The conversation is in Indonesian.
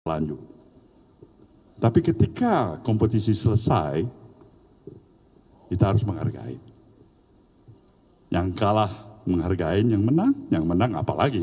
lanjut tapi ketika kompetisi selesai kita harus menghargai yang kalah menghargai yang menang yang menang apalagi